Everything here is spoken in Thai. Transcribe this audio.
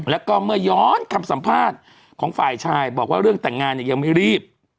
แล้วก็เมื่อย้อนคำสัมภาษณ์ของฝ่ายชายบอกว่าเรื่องแต่งงานเนี่ยยังไม่รีบ